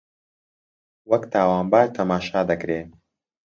وەک تاوانبار تەماشا دەکرێ